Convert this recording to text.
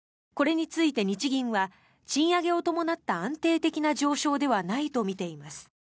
これについて日銀は賃上げを伴った安定的な上昇ではないとみています。